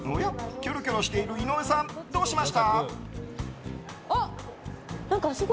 キョロキョロしている井上さん、どうしました？